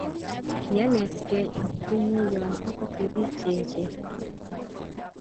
kianetgei akutunyii yon ogotii bik cheechen